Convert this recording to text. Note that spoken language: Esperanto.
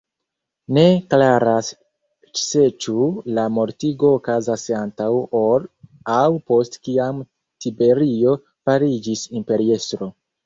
Ne klaras ĉseĉu la mortigo okazis antaŭ ol aŭ post kiam Tiberio fariĝis imperiestro.